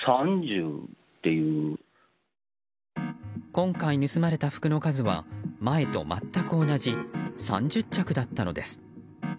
今回盗まれた服の数は、前と全く同じ３０着だったのです。